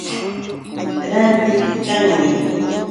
Rantiq kanmi.